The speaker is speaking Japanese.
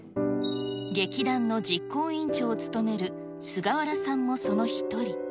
劇団の実行委員長を務める菅原さんもその一人。